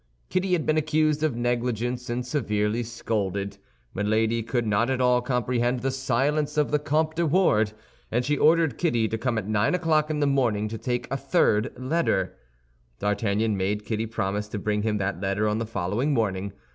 Kitty had been accused of negligence and severely scolded. Milady could not at all comprehend the silence of the Comte de Wardes, and she ordered Kitty to come at nine o'clock in the morning to take a third letter. D'Artagnan made Kitty promise to bring him that letter on the following morning.